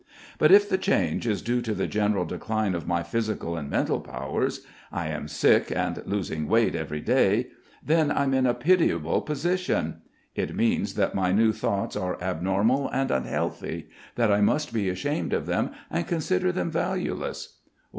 But if the change is due to the general decline of my physical and mental powers I am sick and losing weight every day then I'm in a pitiable position. It means that my new thoughts are abnormal and unhealthy, that I must be ashamed of them and consider them valueless...."